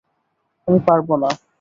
আমি পরব না।